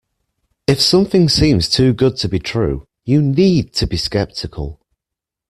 If something seems too good to be true, you need to be sceptical.